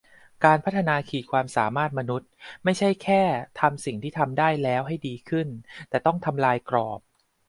การพัฒนาขีดความสามารถมนุษย์ ไม่ใช่แค่ทำสิ่งที่ทำได้แล้วให้ดีขึ้น แต่ต้องทำลายกรอบ